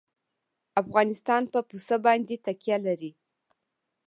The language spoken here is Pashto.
افغانستان په پسه باندې تکیه لري.